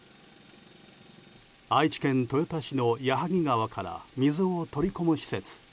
愛知県豊田市の矢作川から水を取り込む施設。